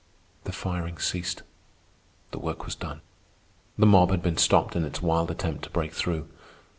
The firing ceased. The work was done. The mob had been stopped in its wild attempt to break through.